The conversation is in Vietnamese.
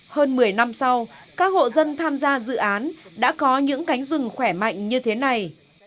hơn một mươi năm sau các hộ dân tham gia dự án đã có những cánh rừng khỏe mạnh như thế này